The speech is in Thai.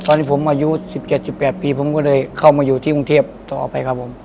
ตอนนี้ผมอายุ๑๗๑๘ปีผมก็เลยเข้ามาอยู่ที่กรุงเทพต่อไปครับผม